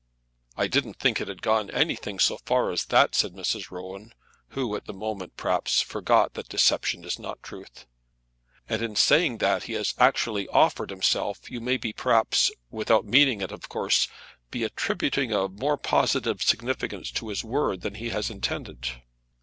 "I didn't think it had gone anything so far as that," said Mrs. Rowan, who at the moment, perhaps, forgot that deception is not truth; "and in saying that he has actually offered himself, you may perhaps, without meaning it, of course, be attributing a more positive significance to his word than he has intended."